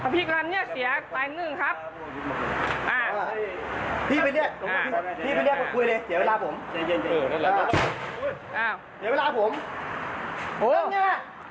เพื่อนพี่นั่นอย่างไร